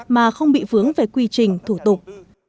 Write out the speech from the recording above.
mà không bị vướng về quy trình thủ tục